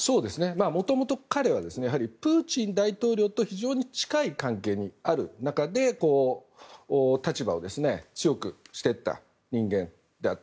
もともと、彼はプーチン大統領と非常に近い関係にある中で立場を強くしていった人間だと。